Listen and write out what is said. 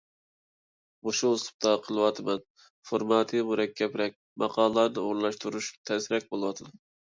مۇشۇ ئۇسلۇبتا قىلىۋاتىمەن. فورماتى مۇرەككەپرەك ماقالىلەرنى ئورۇنلاشتۇرۇش تەسرەك بولۇۋاتىدۇ.